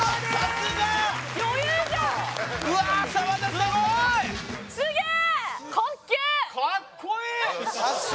すげえ！